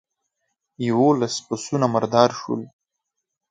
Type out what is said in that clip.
يوولس پسونه مردار شول.